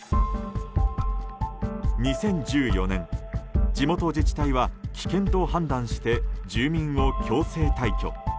２０１４年、地元自治体は危険と判断して住民を強制退去。